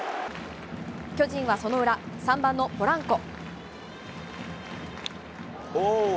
巨人はその裏、３番のポランコ。